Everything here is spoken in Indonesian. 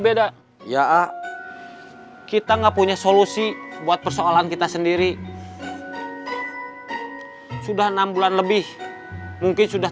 beda ya kita enggak punya solusi buat persoalan kita sendiri sudah enam bulan lebih mungkin sudah